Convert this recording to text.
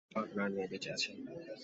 আপনার মেয়ে বেঁচে আছে?